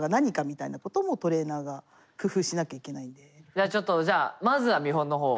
じゃあちょっとじゃあまずは見本の方を。